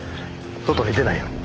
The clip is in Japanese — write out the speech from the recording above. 外に出ないように。